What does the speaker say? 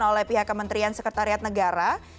oleh pihak kementerian sekretariat negara